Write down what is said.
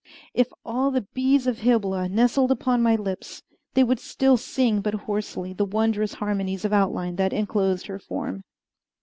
If all the bees of Hybla nestled upon my lips, they would still sing but hoarsely the wondrous harmonies of outline that inclosed her form.